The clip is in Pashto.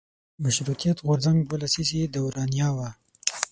مشروطیت غورځنګ دوه لسیزې دورانیه وه.